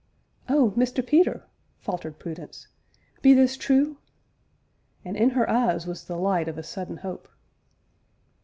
"Oh, Mr. Peter!" faltered Prudence, "be this true?" and in her eyes was the light of a sudden hope.